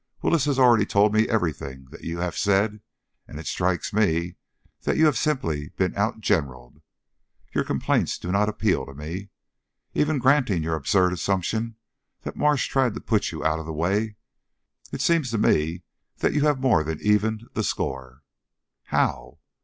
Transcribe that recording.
Willis has already told me everything that you have said, and it strikes me that you have simply been outgeneraled. Your complaints do not appeal to me. Even granting your absurd assumption that Marsh tried to put you out of the way, it seems to me that you have more than evened the score." "How?"